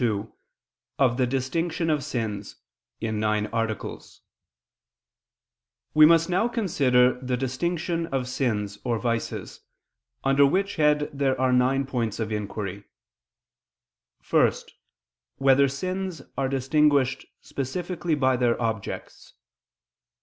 ________________________ QUESTION 72 OF THE DISTINCTION OF SINS (In Nine Articles) We must now consider the distinction of sins or vices: under which head there are nine points of inquiry: (1) Whether sins are distinguished specifically by their objects?